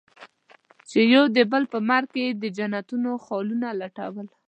چې يو د بل په مرګ کې يې د جنتونو خالونه لټول.